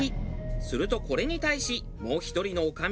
するとこれに対しもう１人の女将が。